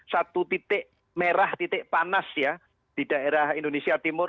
satu titik merah titik panas ya di daerah indonesia timur